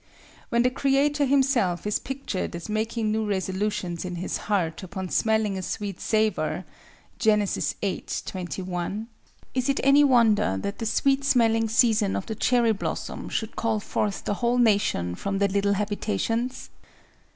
When the Creator himself is pictured as making new resolutions in his heart upon smelling a sweet savor (Gen. VIII, 21), is it any wonder that the sweet smelling season of the cherry blossom should call forth the whole nation from their little habitations?